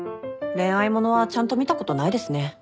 恋愛物はちゃんと見たことないですね。